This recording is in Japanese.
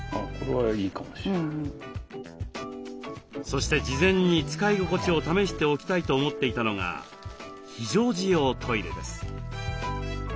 そして事前に使い心地を試しておきたいと思っていたのが非常時用トイレです。